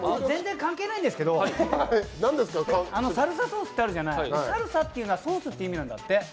全然関係ないんですけどサルサソースってあるじゃない、サルサっていうのはソースって意味なんだって。